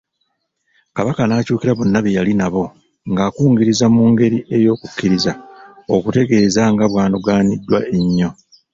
Kabaka n'akyukira bonna be yali nabo ng'akungiriza mu ngeri ey'okukkiriza okutegeeza nga bw'anogaaniddwa ennyo.